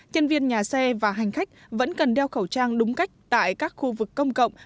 chân viên nhà xe và hành khách vẫn cần đeo khẩu trang đúng cách tại các khu vực công cộng